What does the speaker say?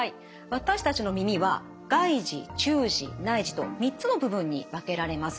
私たちの耳は外耳中耳内耳と３つの部分に分けられます。